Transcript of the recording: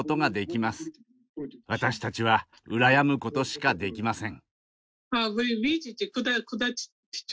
私たちは羨むことしかできません。